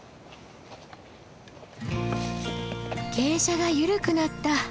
傾斜が緩くなった。